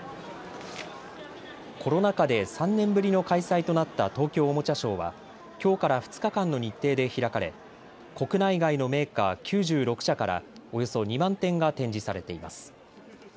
コロナ禍で３年ぶりの開催となった東京おもちゃショーはきょうから２日間の日程で開かれ国内外のメーカー９６社からおよそ２万点が展示されています。